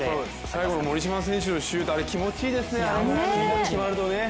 最後の森島選手のシュート、気持ちいいですね